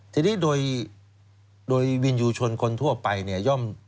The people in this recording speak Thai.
ทีนี้โดยวิญญูชนคนทั่วไปเนี่ย